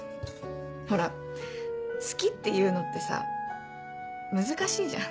ほら「好き」って言うのってさ難しいじゃん。